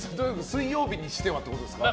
水曜日にしてはってことですよね。